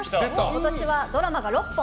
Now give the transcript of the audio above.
今年はドラマが６本。